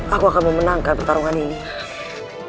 aku akan memenangkan pertarungan ini